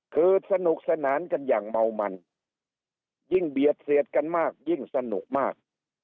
คือสนุกสนานกันอย่างเมามันยิ่งเบียดเสียดกันมากยิ่งสนุกมาก